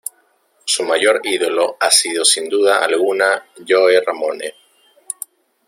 Su mayor ídolo ha sido sin duda alguna Joey Ramone.